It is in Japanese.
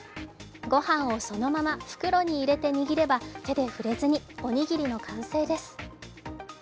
ごはんをそのまま袋に入れて握れば手で触れずにおにぎりの完成です。